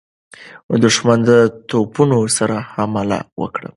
دښمن د توپونو سره حمله وکړه.